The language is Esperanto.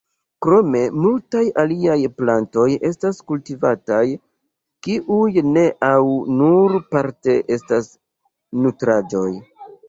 Krome multaj aliaj plantoj estas kultivataj, kiuj ne au nur parte estas nutraĵoj.